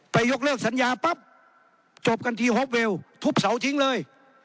ยกเลิกสัญญาปั๊บจบกันทีฮอปเวลทุบเสาทิ้งเลย